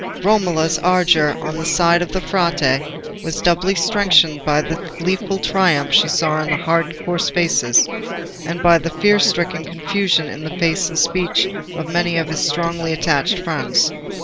Romola's ardour on the side of the Frate was doubly strengthened by the gleeful triumph she saw in hard and coarse faces, and by the fear stricken confusion in the faces and speech of many among his strongly attached friends.